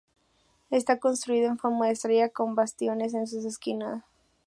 Está construido en forma de estrella con bastiones en sus esquinas.